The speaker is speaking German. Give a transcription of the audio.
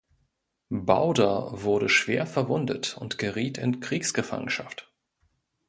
Bauder wurde schwer verwundet und geriet in Kriegsgefangenschaft.